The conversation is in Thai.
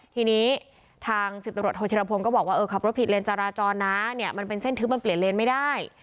ทีนี้ทาง๑๐ตำรวจโทษธิรพงศ์ก็บอกว่าเออขับรถผิดเลนจราจรนะเนี่ยมันเป็นเส้นทึบมันเปลี่ยนเลนไม่ได้